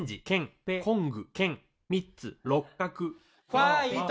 ファイト！